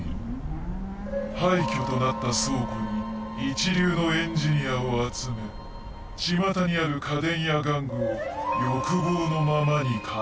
廃虚となった倉庫に一流のエンジニアを集めちまたにある家電や玩具を欲望のままに改造。